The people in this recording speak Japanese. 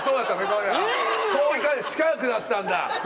近くなったんだ。